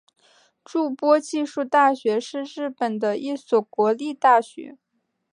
筑波技术大学是日本的一所国立大学。